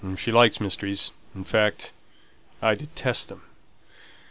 She likes mysteries, in fact, and I detest them.